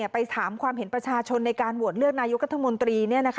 ไปถามความเห็นประชาชนในการโหวตเลือกนายกรัฐมนตรี